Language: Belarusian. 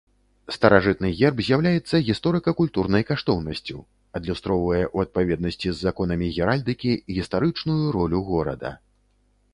Старажытны герб з'яўляецца гісторыка-культурнай каштоўнасцю, адлюстроўвае ў адпаведнасці з законамі геральдыкі гістарычную ролю горада.